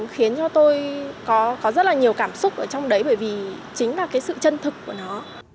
khiến cho tôi có rất là nhiều cảm xúc ở trong đấy bởi vì chính là cái sự chân thực của nó